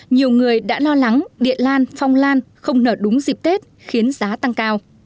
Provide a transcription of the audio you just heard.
nhiều người đã lo lắng địa lan phong lan không nở đúng dịp tết khiến giá tăng cao